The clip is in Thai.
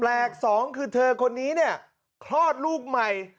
สองคือเธอคนนี้เนี่ยคลอดลูกใหม่